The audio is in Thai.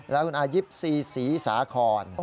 แล้วคุณอายิปซีศรีสาคร